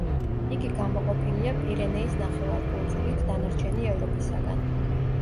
იგი გამოყოფილია პირენეის ნახევარკუნძულით დანარჩენი ევროპისაგან.